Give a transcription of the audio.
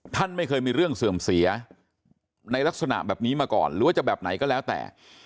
ท่านไม่เคยมีเรื่องเสื่อมเสียในลักษณะแบบนี้มาก่อนหรือว่าจะแบบไหนก็แล้วแต่